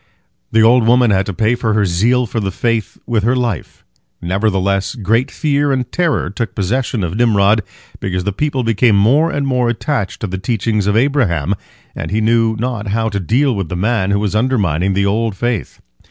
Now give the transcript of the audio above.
The old woman had to pay for her zeal for the faith with her life. Nevertheless great fear and terror took possession of Nimrod, because the people became more and more attached to the teachings of Abraham, and he knew not how to deal with the man who was undermining the old faith.